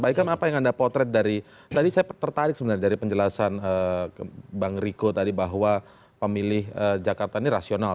pak ikam apa yang anda potret dari tadi saya tertarik sebenarnya dari penjelasan bang riko tadi bahwa pemilih jakarta ini rasional